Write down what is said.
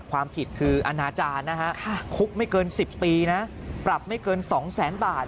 ความผิดคืออนาจารย์นะฮะคุกไม่เกิน๑๐ปีนะปรับไม่เกิน๒แสนบาท